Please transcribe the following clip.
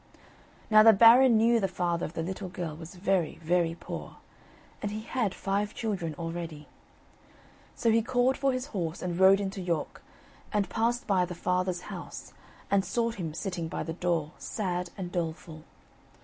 Now the Baron knew the father of the little girl was very, very poor, and he had five children already. So he called for his horse, and rode into York; and passed by the father's house, and saw him sitting by the door, sad and doleful.